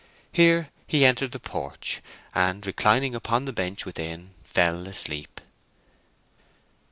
Here he entered the porch, and, reclining upon the bench within, fell asleep.